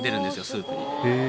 スープに。